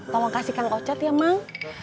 terimakasih kang ocat ya mang